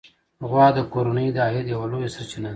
غوا د کورنۍ د عاید یوه لویه سرچینه ده.